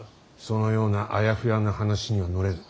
そのようなあやふやな話には乗れぬ。